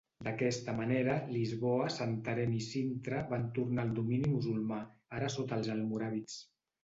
D'aquesta manera, Lisboa, Santarém i Sintra van tornar al domini musulmà, ara sota els almoràvits.